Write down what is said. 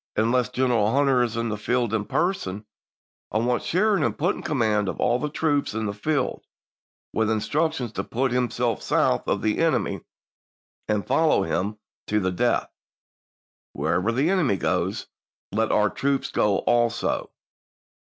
Unless General Hunter is in the field in person, I want Sheridan put in command of all the troops in the field, with instructions to put himself south of Grant, the enemy and follow him to the death. Where MemS." ever the enemy goes, let our troops go also."